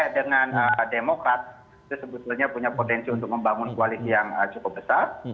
dengan demokrat itu sebetulnya punya potensi untuk membangun koalisi yang cukup besar